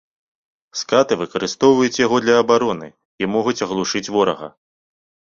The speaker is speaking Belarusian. Скаты выкарыстоўваюць яго для абароны і могуць аглушыць ворага.